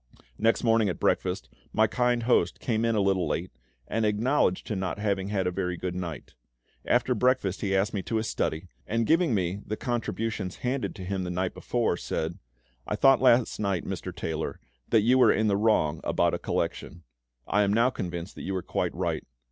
Next morning at breakfast, my kind host came in a little late, and acknowledged to not having had a very good night. After breakfast he asked me to his study, and giving me the contributions handed to him the night before, said, "I thought last night, Mr. Taylor, that you were in the wrong about a collection; I am now convinced you were quite right.